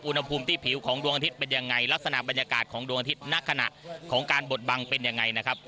อุณหภูมิที่ผิวของดวงอาทิตย์เป็นยังไงลักษณะบรรยากาศของดวงอาทิตย์ณขณะของการบดบังเป็นยังไงนะครับ